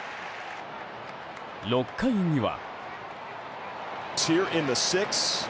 ６回には。